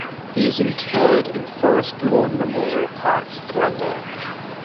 He is interred in Forest Lawn Memorial Park, Glendale.